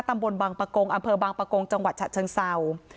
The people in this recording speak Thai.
ตำบลบังปะโกงอำเภอบางปะโกงจังหวัดฉะเชิงเศร้า